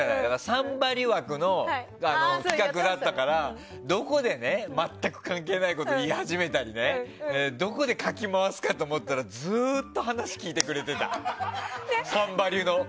「サンバリュ」枠だったからどこで全く関係ないことを言い始めたりどこでかき回すかと思ったらずっと話を聞いてくれてた「サンバリュ」の。